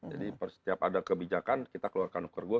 jadi setiap ada kebijakan kita keluarkan pergub